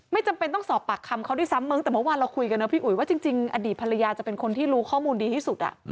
จำเป็นต้องสอบปากคำเขาด้วยซ้ำมั้งแต่เมื่อวานเราคุยกันนะพี่อุ๋ยว่าจริงอดีตภรรยาจะเป็นคนที่รู้ข้อมูลดีที่สุด